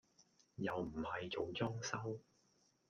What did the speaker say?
又唔係做裝修